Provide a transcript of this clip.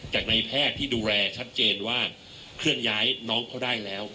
จากในแพทย์ที่ดูแลชัดเจนว่าเคลื่อนย้ายน้องเขาได้แล้ว